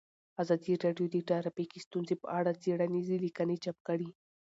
ازادي راډیو د ټرافیکي ستونزې په اړه څېړنیزې لیکنې چاپ کړي.